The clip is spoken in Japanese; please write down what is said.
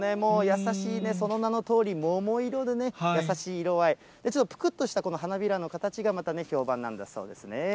優しい、その名のとおり桃色でね、優しい色合い、ちょっとぷくっとした花びらの形が、またね、評判なんだそうですね。